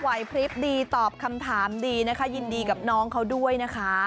พริบดีตอบคำถามดีนะคะยินดีกับน้องเขาด้วยนะคะ